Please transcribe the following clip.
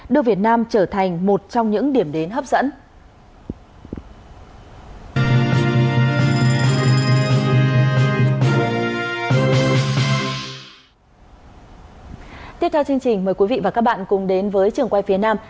đưa việt nam trở thành một trong những điểm đến hấp dẫn